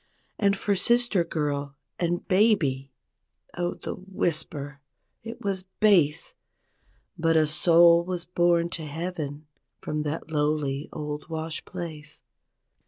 And for sister girl and baby—Oh, the whisper— 27 it was base But a soul was born to heaven from that lowly old wash place.